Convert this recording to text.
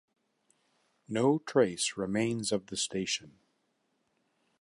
No trace remains of the station.